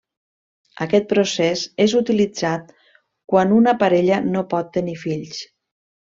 Aquest procés és utilitzat quan una parella no pot tenir fills.